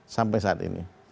sampai saat ini